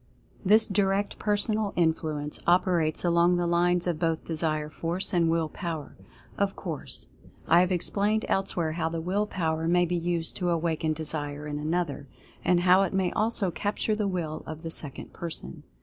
This Direct Personal Influence operates along the lines of both Desire Force and Will Power, of course. I have explained elsewhere how the Will Power may be used to awaken Desire in another ; and how it may also capture the Will of the second person.